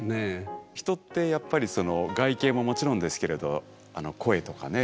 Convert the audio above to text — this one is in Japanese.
人ってやっぱりその外見ももちろんですけれど声とかね